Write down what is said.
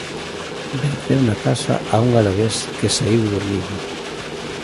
Venceu na casa a un Alavés que saíu durmido.